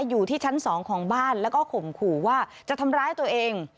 อยู่ที่ชั้น๒ของบ้านแล้วก็ข่มขู่ว่าจะทำร้ายตัวเอง